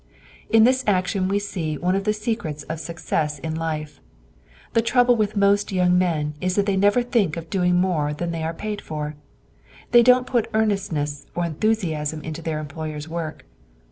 In this action we see one of the secrets of success in life. The trouble with most young men is that they never think of doing more than they are paid for. They don't put earnestness or enthusiasm into their employer's work.